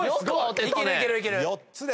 いけるいけるいける。